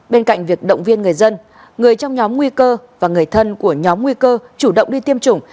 bên cạnh việc động viên người dân người trong nhóm nguy cơ và người thân của nhóm nguy cơ chủ động đi tiêm chủng